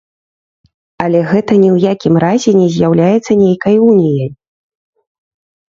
Але гэта ні ў якім разе не з'яўляецца нейкай уніяй.